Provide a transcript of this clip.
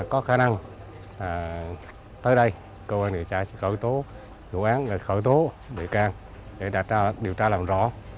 có khả năng tới đây công an địa phương sẽ khởi tố dự án khởi tố đề can để đạt ra điều tra làm rõ